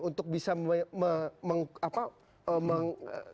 untuk bisa meng